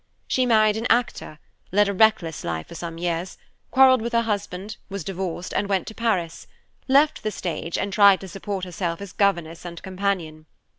She married an actor, led a reckless life for some years; quarreled with her husband, was divorced, and went to Paris; left the stage, and tried to support herself as governess and companion.